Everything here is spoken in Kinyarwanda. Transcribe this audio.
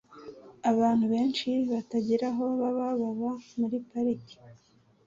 Abantu benshi batagira aho baba baba muri parike.